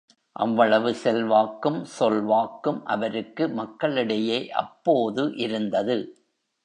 அவ்வளவு செல்வாக்கும் சொல்வாக்கும் அவருக்கு மக்களிடையே அப்போது இருந்தது.